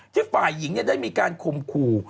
ที่ฝ่ายหญิงได้มีการคุมกู